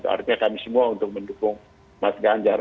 artinya kami semua untuk mendukung mas ganjar